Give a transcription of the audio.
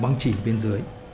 băng chỉ bên dưới